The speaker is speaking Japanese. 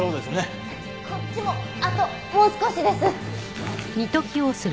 こっちもあともう少しです。